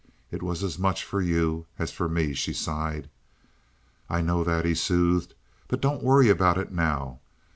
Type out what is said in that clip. "It was as much for you as for me," she sighed. "I know that," he soothed; "but don't worry about it now.